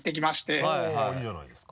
あぁいいじゃないですか。